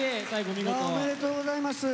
おめでとうございます。